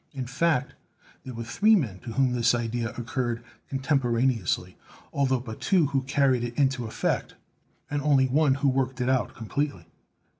In fact, there were three men to whom this idea oc curred contemporaneously, altho but two who carried it into effect, and only one who worked it out completely.